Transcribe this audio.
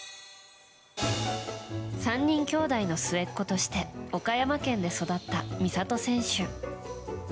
３人きょうだいの末っ子として岡山県で育った美里選手。